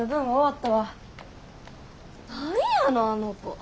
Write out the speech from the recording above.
何やのあの子。